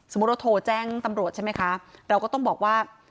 เราโทรแจ้งตำรวจใช่ไหมคะเราก็ต้องบอกว่า